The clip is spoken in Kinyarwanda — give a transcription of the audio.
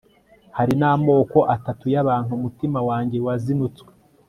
hari n'amoko atatu y'abantu, umutima wanjye wazinutswe